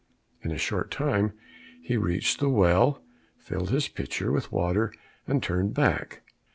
In a short time he reached the well, filled his pitcher with water, and turned back.